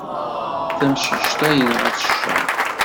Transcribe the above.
Tamcict-a yenɣa-tt cceṛ.